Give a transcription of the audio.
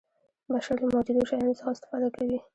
بشر له موجودو شیانو څخه استفاده کوي.